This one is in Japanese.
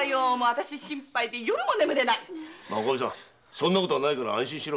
そんなことはないから安心しろ。